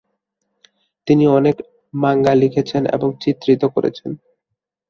তিনি অনেক মাঙ্গা লিখেছেন এবং চিত্রিত করেছেন।